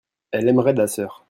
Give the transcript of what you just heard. elle aimerait da sœur.